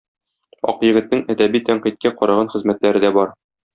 Акъегетнең әдәби тәнкыйтькә караган хезмәтләре дә бар.